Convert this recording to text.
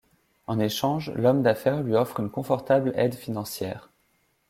En échange, l’homme d’affaires lui offre une confortable aide financière.